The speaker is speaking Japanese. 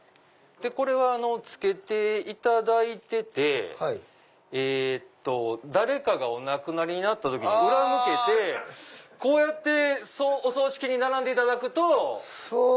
これは着けていただいてて誰かがお亡くなりになった時に裏向けてこうやってお葬式に並んでいただくと。